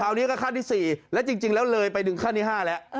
คราวนี้ก็ขั้นที่สี่แล้วจริงจริงแล้วเลยไปดึงขั้นที่ห้าแล้ว